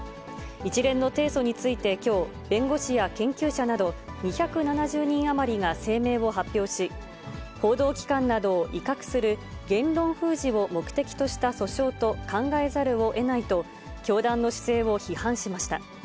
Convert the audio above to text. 一連の提訴について、きょう、弁護士や研究者など２７０人余りが声明を発表し、報道機関などを威嚇する言論封じを目的とした訴訟と考えざるをえないと、教団の姿勢を批判しました。